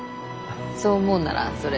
そう思うんならそれで。